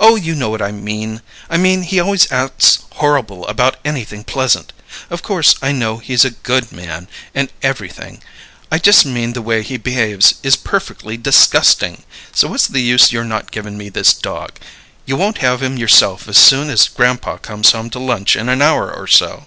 "Oh, you know what I mean! I mean he always acts horrable about anything pleasant. Of course I know he's a good man, and everything; I just mean the way he behaves is perfeckly disgusting. So what's the use your not givin' me this dog? You won't have him yourself as soon as grandpa comes home to lunch in an hour or so."